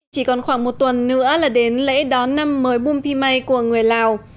chỉ còn khoảng một tuần nữa là đến lễ đón năm mới pum pimay của người lào